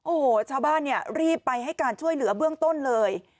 โอ้โหชาวบ้านเนี่ยรีบไปให้การช่วยเหลือเบื้องต้นเลย